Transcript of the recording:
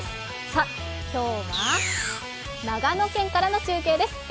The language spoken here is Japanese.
さあ、今日は、長野県からの中継です。